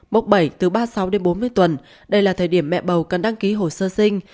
mốc bảy từ ba mươi sáu đến bốn mươi tuần đây là thời điểm mẹ bầu cần đăng ký hồ sơ sinh